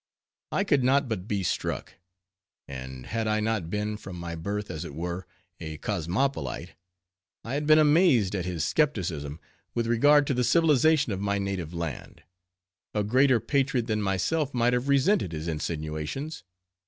I could not but be struck—and had I not been, from my birth, as it were, a cosmopolite—I had been amazed at his skepticism with regard to the civilization of my native land. A greater patriot than myself might have resented his insinuations.